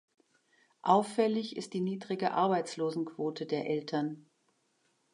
Auffällig ist die niedrige Arbeitslosenquote der Eltern.